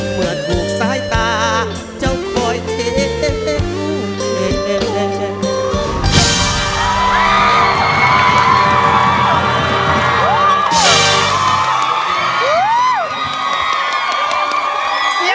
เมื่อถูกสายตาเจ้าคอยเท่าเนี่ย